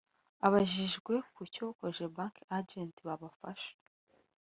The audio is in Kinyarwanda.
Abajijwe kucyo Cogebanque Agents babafasha